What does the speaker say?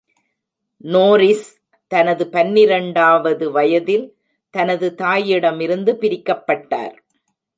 Norris தனது பன்னிரெண்டாவது வயதில் தனது தாயிடமிருந்து பிரிக்கப்பட்டார்.